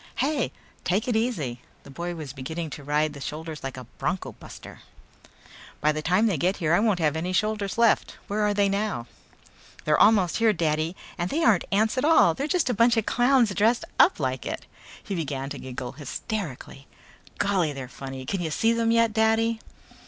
"Hey, take it easy!" The boy was beginning to ride the shoulders like a bronco buster. "By the time they get here I won't have any shoulders left. Where are they now?" "They're almost here, Daddy! And they aren't ants at all. They're just a bunch of clowns dressed up like it." He began to giggle hysterically. "Golly, they're funny. Can you see them yet, Daddy?"